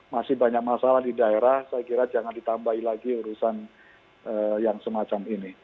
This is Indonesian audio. masih banyak masalah di daerah saya kira jangan ditambahi lagi urusan yang semacam ini